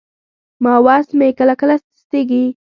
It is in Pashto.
ماوس مې کله کله سستېږي.